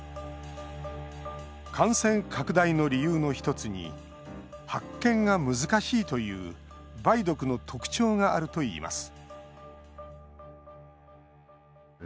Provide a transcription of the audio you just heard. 感染拡大の理由の一つに発見が難しいという梅毒の特徴があるといいます